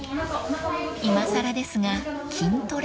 ［いまさらですが筋トレ］